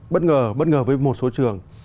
bất ngờ bất ngờ với một số trường